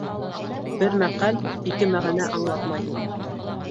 Бер мәҡәл ике мәғәнә аңлатмай.